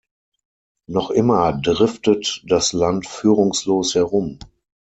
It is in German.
Noch immer driftet das Land führungslos herum.